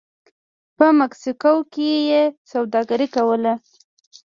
په مکسیکو کې یې سوداګري کوله